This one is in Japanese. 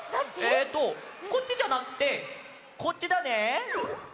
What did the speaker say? えっとこっちじゃなくてこっちだね！